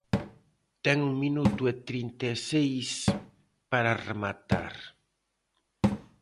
Ten un minuto e trinta e seis para rematar.